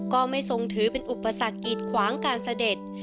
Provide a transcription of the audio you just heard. ก็ไม่ทรงถือเป็นอุปสรรคกีดขวางการเสด็จ